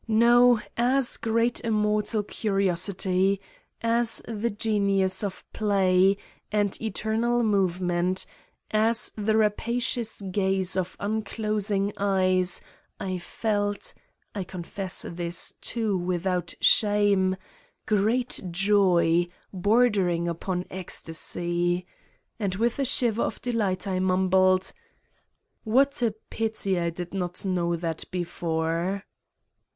No, as Great Immortal Curiosity, as the genius of play and eternal movement, as the rapacious gaze of unclosing eyes I felt I confess this, too, without shame great joy, bordering upon ecstasy ! And with a shiver of delight I mumbled :" What a pity I did not know that before."